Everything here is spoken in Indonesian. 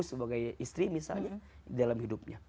sebagai istri misalnya